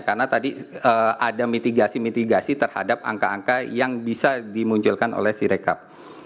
karena tadi ada mitigasi mitigasi terhadap angka angka yang bisa dimunculkan oleh si rekap